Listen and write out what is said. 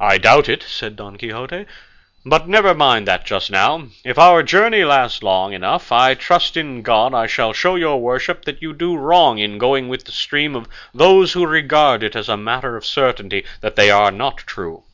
"I doubt it," said Don Quixote, "but never mind that just now; if our journey lasts long enough, I trust in God I shall show your worship that you do wrong in going with the stream of those who regard it as a matter of certainty that they are not true."